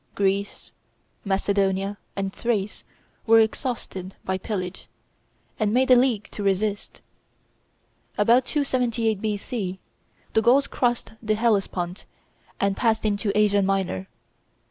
Greece, Macedonia, and Thrace were exhausted by pillage, and made a league to resist. About 278 B.C. the Gauls crossed the Hellespont and passed into Asia Minor.